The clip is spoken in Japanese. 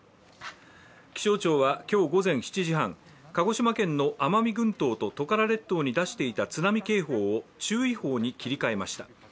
気象庁は今日午前７時半、鹿児島県の奄美群島とトカラ列島に出していた津波警報を注意報に切り換えました。